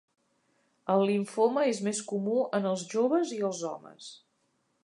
El limfoma és més comú en els joves i els homes.